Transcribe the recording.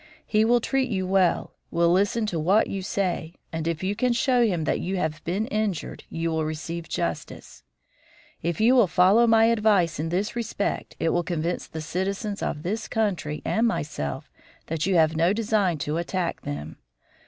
He will treat you well, will listen to what you say, and if you can show him that you have been injured, you will receive justice. If you will follow my advice in this respect it will convince the citizens of this country and myself that you have no design to attack them.